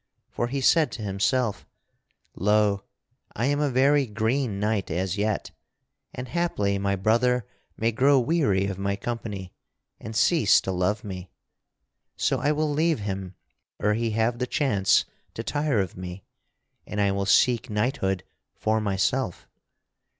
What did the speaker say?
For he said to himself: "Lo! I am a very green knight as yet, and haply my brother may grow weary of my company and cease to love me. So I will leave him ere he have the chance to tire of me, and I will seek knighthood for myself.